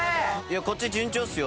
こっち順調っすよ